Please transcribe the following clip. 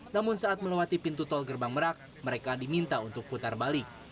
namun saat melewati pintu tol gerbang merak mereka diminta untuk putar balik